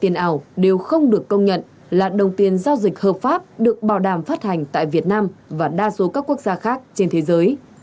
tiền ảo đều không được công nhận là đồng tiền giao dịch hợp pháp được bảo đảm phát hành tại việt nam và đa số các quốc gia khác trên thế giới